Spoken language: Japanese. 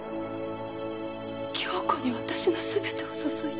恭子に私の全てを注いだ。